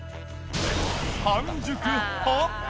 半熟派？